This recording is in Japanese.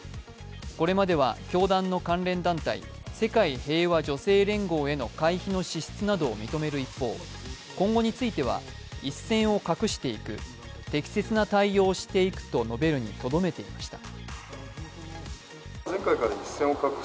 これまでは教団の関連団体、世界平和女性連合への会費の支出などを認める一方今後については一線を画していく、適切な対応をしていくと述べるにとどめていました。